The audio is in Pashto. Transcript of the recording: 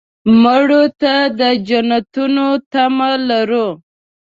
مړه ته د جنتونو تمه لرو